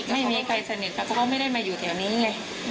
ไม่มีใครสนิทกับเขาเค้าก็ไม่ได้มาอยู่แถวนี้ไง